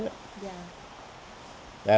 trong buổi trò chuyện